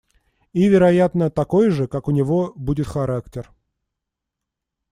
И, вероятно, такой же, как у него, будет характер.